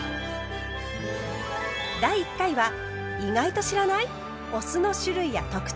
第１回は意外と知らない⁉お酢の種類や特徴